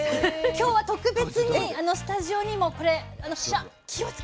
今日は特別にスタジオにもこれ気をつけて持ってきましたので。